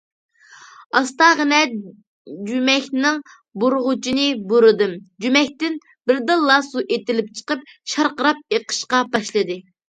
ئاستاغىنە جۈمەكنىڭ بۇرىغۇچىنى بۇرىدىم، جۈمەكتىن بىردىنلا سۇ ئېتىلىپ چىقىپ شارقىراپ ئېقىشقا باشلىدى.